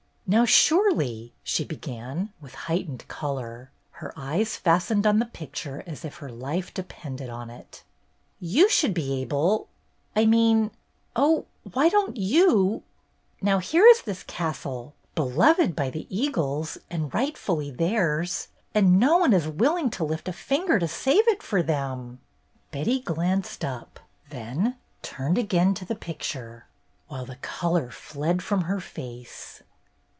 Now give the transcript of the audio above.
"Now, surely," she began, with heightened color, her eyes fastened on the picture as if her life depended on it, "you should be able •— I mean — oh, why don't you — Now, here LOIS'S WEDDING 305 is this castle, beloved by the eagles and right fully theirs, and no one is willing to lift a finger to save it for them!" Betty glanced up, then turned again to the picture, while the color fled from her face.